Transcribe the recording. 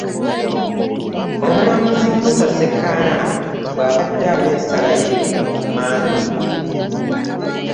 Omulamuzi Musa Ssekaana bw'abadde awa ensala ye ku Mmande